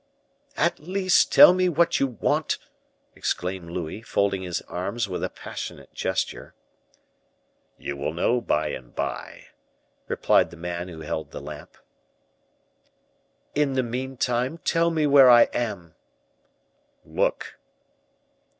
"At least, tell me what you want," exclaimed Louis, folding his arms with a passionate gesture. "You will know by and by," replied the man who held the lamp. "In the meantime tell me where I am." "Look."